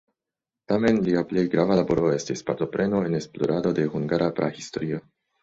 Tamen lia plej grava laboro estis partopreno en esplorado de hungara prahistorio.